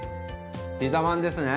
ピザまんですね！